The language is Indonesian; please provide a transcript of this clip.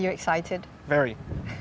adakah anda teruja